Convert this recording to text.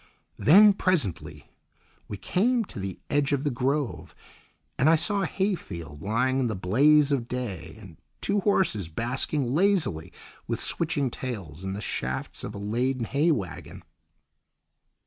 Then, presently, we came to the edge of the grove, and I saw a hayfield lying in the blaze of day, and two horses basking lazily with switching tails in the shafts of a laden hay waggon.